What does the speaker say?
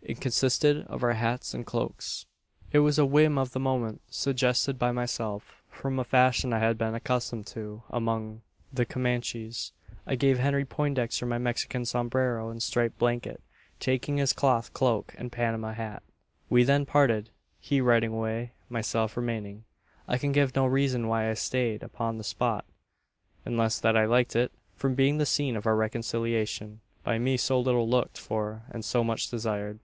It consisted of our hats and cloaks. "It was a whim of the moment suggested by myself from a fashion I had been accustomed to among the Comanches. I gave Henry Poindexter my Mexican sombrero and striped blanket taking his cloth cloak and Panama hat. "We then parted he riding away, myself remaining. "I can give no reason why I stayed upon the spot; unless that I liked it, from being the scene of our reconciliation by me so little looked for and so much desired.